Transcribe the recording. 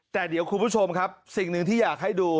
แต่เดี๋ยวคุณผู้ชมครับสิ่งหนึ่งที่อยากให้ดู